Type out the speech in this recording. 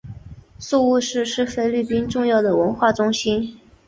宿雾市是菲律宾重要的文化中心。